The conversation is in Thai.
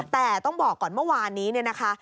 แต่ต้องบอกก่อนเมื่อวานนี้เนี่ยนะคะ